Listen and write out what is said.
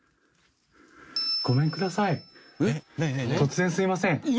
突然すいません。